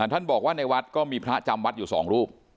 ท่านบอกว่าในวัดก็มีพระจำวัดอยู่๒รูป